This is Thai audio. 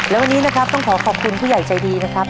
และวันนี้นะครับต้องขอขอบคุณผู้ใหญ่ใจดีนะครับ